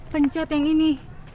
pencet yang ini